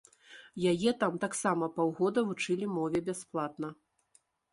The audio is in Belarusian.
Яе там таксама паўгода вучылі мове бясплатна.